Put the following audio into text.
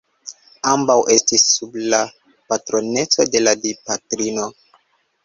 Ambaŭ estis sub la patroneco de la Dipatrino.